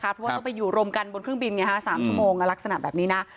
เพราะว่าต้องไปอยู่รวมกันบนเครื่องบินไงฮะ๓ชั่วโมงลักษณะแบบนี้นะ